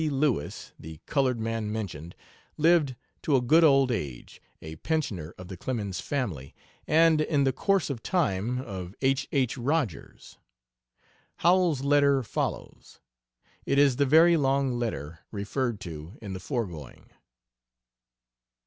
Lewis, the colored man mentioned, lived to a good old age a pensioner of the Clemens family and, in the course of time, of H. H. Rogers. Howells's letter follows. It is the "very long letter" referred to in the foregoing.